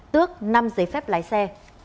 tước năm giấy phép lái xe